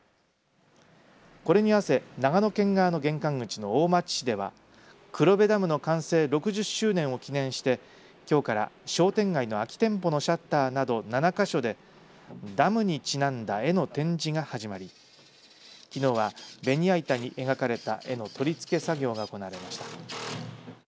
これに合わせ長野県側の玄関口の大町市では黒部ダムの完成６０周年を記念してきょうから商店街の空き店舗のシャッターなど７か所でダムにちなんだ絵の展示が始まりきのうはベニヤ板に描かれた絵の取り付け作業が行われました。